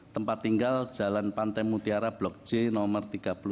tempat tinggal jalan pantai mutiara blok c nomor tiga puluh delapan